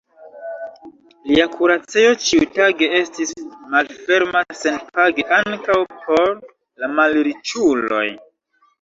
Lia kuracejo ĉiutage estis malferma senpage ankaŭ por la malriĉuloj.